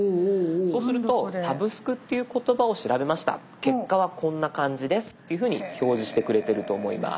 そうすると「サブスク」っていう言葉を調べました結果はこんな感じですっていうふうに表示してくれてると思います。